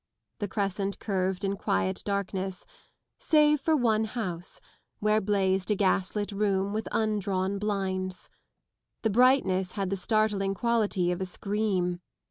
The Crescent curved in quiet dark Bess, save for one house, where blazed a gas=lit room with undrawn blinds. The brightness had the startling quality of a scream.